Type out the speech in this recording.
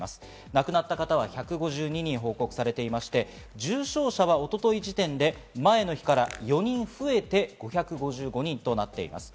亡くなった方は１５２人報告されていまして、重症者は一昨日時点で前の日から４人増えて５５５人となっています。